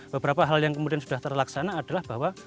beberapa hal yang kemudian sudah terlaksana adalah bahwa